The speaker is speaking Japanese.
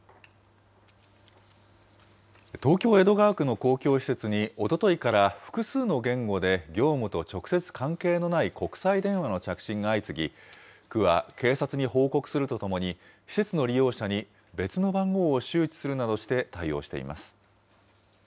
東京・江戸川区の公共施設に、おとといから複数の言語で、業務と直接関係のない国際電話の着信が相次ぎ、区は、警察に報告するとともに、施設の利用者に、別の番号を周知するなどして対応しています。